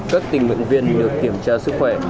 các tỉnh nguyện viên được kiểm tra sức khỏe